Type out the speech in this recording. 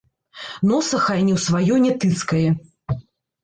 Носа хай не ў сваё не тыцкае.